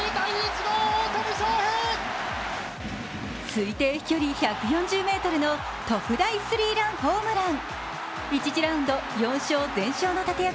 推定飛距離１４０ｍの特大スリーランホームラン。